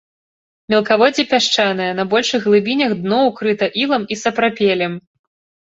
Мелкаводдзе пясчанае, на большых глыбінях дно укрыта ілам і сапрапелем.